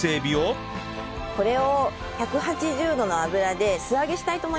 これを１８０度の油で素揚げしたいと思います。